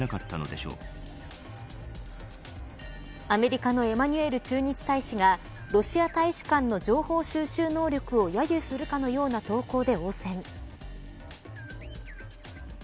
アメリカのエマニュエル駐日大使がロシア大使館の情報収集能力を揶揄するかのような投稿で応戦。